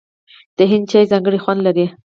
د هند چای ځانګړی خوند لري.